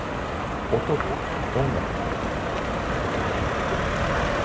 音と音楽と音とがあった。